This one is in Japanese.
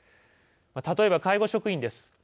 例えば、介護職員です。